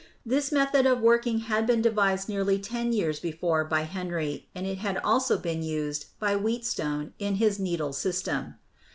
This method of working had been devised nearly ten years before by Henry, and it had also been used by Wheatstone in his needle system.